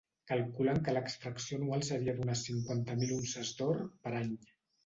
Calculen que l’extracció anual seria d’unes cinquanta mil unces d’or per any.